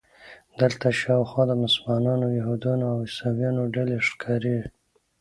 دلته شاوخوا د مسلمانانو، یهودانو او عیسویانو ډلې ښکاري.